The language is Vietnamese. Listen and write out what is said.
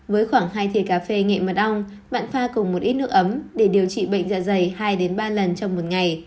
với khoảng hai thể cà phê nghệ mật ong bạn pha cùng một ít nước ấm để điều trị bệnh dạ dày hai ba lần trong một ngày